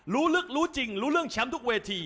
รู้ลึกรู้จริงรู้เรื่องแชมป์ทุกเวที